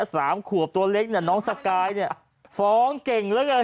สามขวบตัวเล็กเนี้ยน้องเนี้ยฟ้องเก่งเรื่องกัน